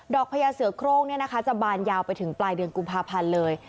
ดอกพญาเสือโครงเนี่ยนะคะจะบานยาวไปถึงปลายเดือนกุมภาพันธ์เลย